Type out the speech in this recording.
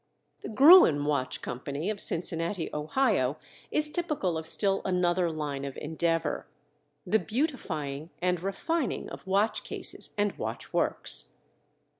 The Gruen Watch Company, of Cincinnati, Ohio, is typical of still another line of endeavor—the beautifying and refining of watch cases and watch works.